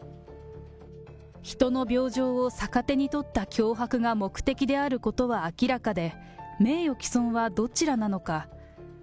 人の病状を逆手に取った脅迫が目的であることは明らかで、名誉毀損はどちらなのか。